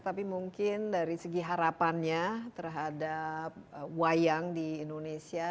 tapi mungkin dari segi harapannya terhadap wayang di indonesia